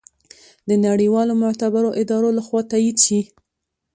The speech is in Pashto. د نړیوالو معتبرو ادارو لخوا تائید شي